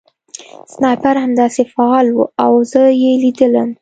سنایپر همداسې فعال و او زه یې لیدلم